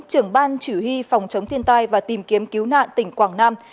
trưởng ban chỉ huy phòng chống thiên tai và tìm kiếm cứu nạn tỉnh quảng nam